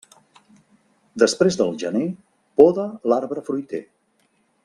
Després del gener, poda l'arbre fruiter.